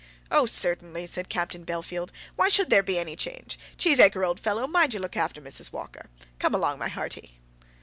"Oh, certainly," said Captain Bellfield. "Why should there be any change? Cheesacre, old fellow, mind you look after Mrs. Walker. Come along, my hearty."